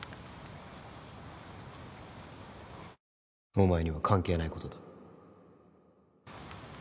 お前には関係ないことだ